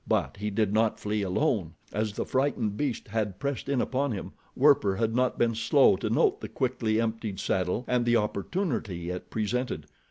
But he did not flee alone. As the frightened beast had pressed in upon him, Werper had not been slow to note the quickly emptied saddle and the opportunity it presented.